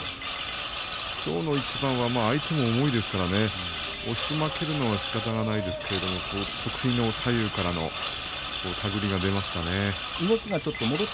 きょうの一番は相手も重いですから押し負けるのはしかたないですけども得意の左右からの手繰りが出ましたね。